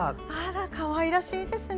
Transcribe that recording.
かわいらしいですね。